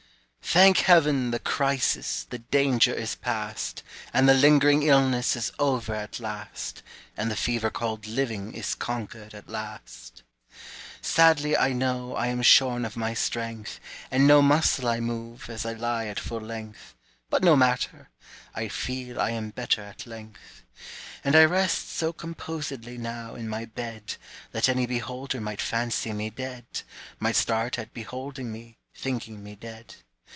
Thank Heaven! the crisis, The danger is past, And the lingering illness Is over at last, And the fever called "Living" Is conquered at last. Sadly, I know, I am shorn of my strength, And no muscle I move As I lie at full length, But no matter! I feel I am better at length. And I rest so composedly Now, in my bed, That any beholder Might fancy me dead, Might start at beholding me, Thinking me dead.